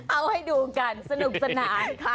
เอาให้ดูกันสนุกสนานค่ะ